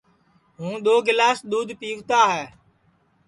ہُوں دؔو گِلاس دؔودھ پِیوتا ہے